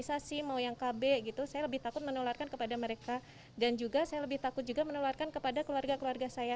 saya lebih takut menularkan kepada mereka dan juga saya lebih takut menularkan kepada keluarga keluarga saya